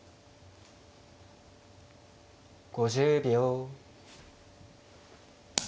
５０秒。